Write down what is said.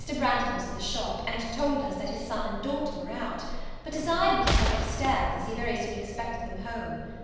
Branghton was in the shop, and told us that his son and daughter were out; but desired me to step up stairs, as he very soon expected them home.